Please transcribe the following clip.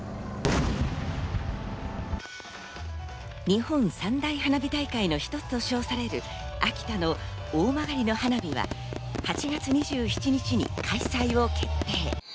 日本三大花火大会の一つと称される、秋田の大曲の花火は８月２７日に開催を決定。